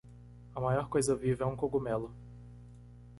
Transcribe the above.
A maior coisa viva é um cogumelo.